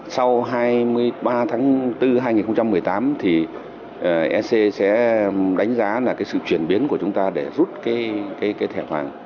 sau hai mươi ba tháng bốn hai nghìn một mươi tám ec sẽ đánh giá sự chuyển biến của chúng ta để rút thẻ vàng